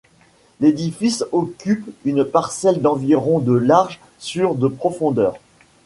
L'édifice occupe une parcelle d'environ de large sur de profondeur.